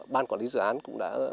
ban quản lý dự án cũng đã